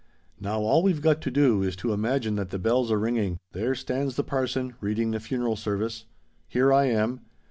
"Now all we've got to do is to imagine that the bell's a ringing:—there stands the parson, reading the funeral service. Here I am.